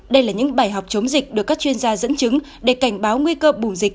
đây là những bài học chống dịch được các chuyên gia dẫn chứng để cảnh báo nguy cơ bùng dịch